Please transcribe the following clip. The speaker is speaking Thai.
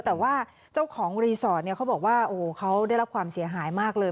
แต่ว่าเจ้าของรีสอร์ทเนี่ยเขาบอกว่าโอ้โหเขาได้รับความเสียหายมากเลย